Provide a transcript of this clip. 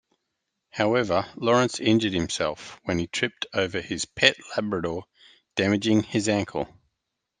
However Lawrence injured himself when he tripped over his pet Labrador damaging his ankle.